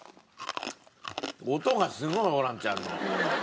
音がすごいホランちゃんの。